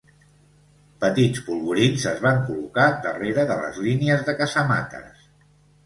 Petits polvorins es van col·locar darrere de les línies de casamates.